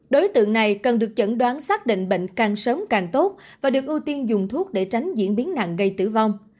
đối tượng này cần được chẩn đoán xác định bệnh càng sớm càng tốt và được ưu tiên dùng thuốc để tránh diễn biến nặng gây tử vong